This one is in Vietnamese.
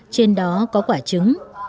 trên đó có quả trứng